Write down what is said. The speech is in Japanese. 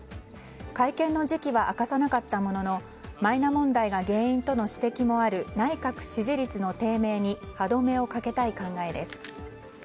会見の時期は明かさなかったもののマイナ問題が原因との指摘もある内閣支持率の低迷に歯止めをかけたい考えです。